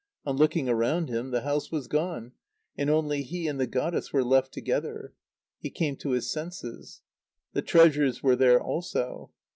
On looking around him, the house was gone, and only he and the goddess were left together. He came to his senses. The treasures were there also.